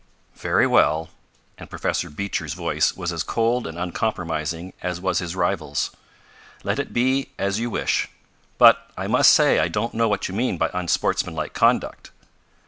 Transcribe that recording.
"Very well," and Professor Beecher's voice was as cold and uncompromising as was his rival's. "Let it be as your wish. But I must say I don't know what you mean by unsportsmanlike conduct."